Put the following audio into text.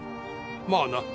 まあな。